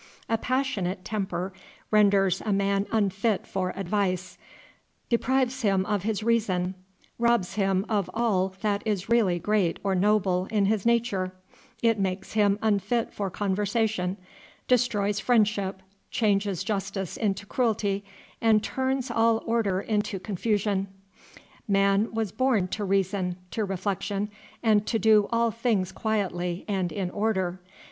A passionate temper renders a man unfit for advice, deprives him of his reason, robs him of all that is really great or noble in his nature; it makes him unfit for conversation, destroys friendship, changes justice into cruelty, and turns all order into confusion. Man was born to reason, to reflection, and to do all things quietly and in order.